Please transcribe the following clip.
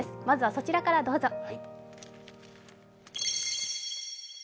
まずはそちらからどうぞ。